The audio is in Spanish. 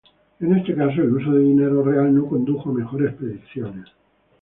En este caso, el uso de dinero real no condujo a mejores predicciones.